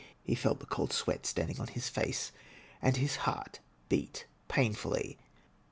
He felt the cold sweat standing on his face, and his heart beat painfully.